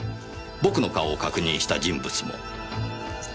僕の顔を確認した人物も。